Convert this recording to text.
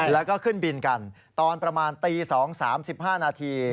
แล้วก็ขึ้นบินกันตอนประมาณตี๒๓๕นาที